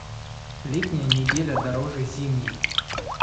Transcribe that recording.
Летняя неделя дороже зимней.